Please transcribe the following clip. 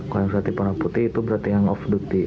kalau yang kreatif warna putih itu berarti yang off duty